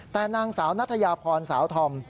แต่นางสาวนัทยาพรสาวธอม